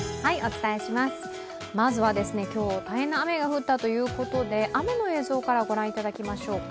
まずは今日、大変な雨が降ったということで雨の映像から御覧いただきましょうか。